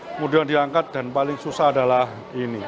kemudian diangkat dan paling susah adalah ini